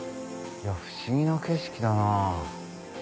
いや不思議な景色だな。